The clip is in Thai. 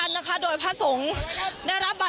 พระบุว่าจะมารับคนให้เดินทางเข้าไปในวัดพระธรรมกาลนะคะ